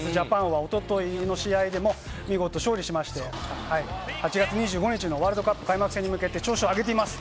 ホーバスＪＡＰＡＮはおとといの試合でも見事勝利しまして、８月２５日のワールドカップ開幕戦に向けて調子を上げています。